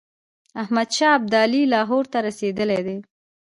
احمدشاه ابدالي لاهور ته رسېدلی دی.